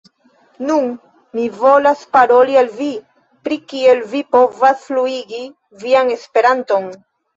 Nun, mi volas paroli al vi, pri kiel vi povas fluigi vian Esperanton.